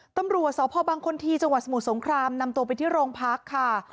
ตำรวจสพบังพลที่จังหวัดสมุทรสงครามนำตัวไปที่โรงพักค่ะ